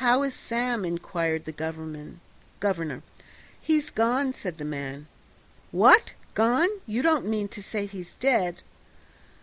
"How is Sam?" inquired the governor. "He's gone," said the man. "What, gone? You don't mean to say he's dead?"